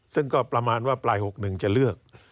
ซึ่งก็ประมาณว่าปลาย๖๑จะเลือก